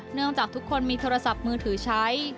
เนื่องจากทุกคนมีโทรศัพท์มือถือใช้